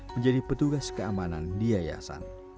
menjadi petugas keamanan di yayasan